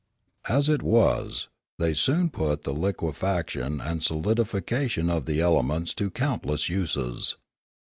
As it was, they soon put the liquefaction and solidi fication of the elements to countless uses.